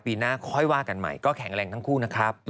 ปีหน้าค่อยว่ากันใหม่ก็แข็งแรงทั้งคู่นะครับ